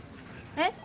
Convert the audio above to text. えっ？